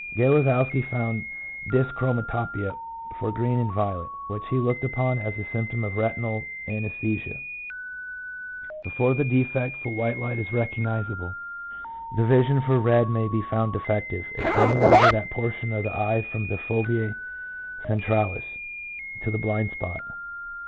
3 Galezowski found dyschroma topia for green and violet, which he looked upon as a symptom of retinal anaesthesia. Before the defect for white light is recognizable, the vision for red may be found defective, extending over that portion of the eye from the jovea centralis to the blind spot.